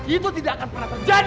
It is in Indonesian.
itu tidak akan pernah terjadi